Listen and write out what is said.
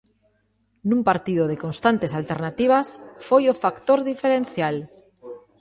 Nun partido de constantes alternativas, foi o factor diferencial.